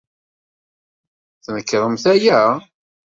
Tnekṛemt aya?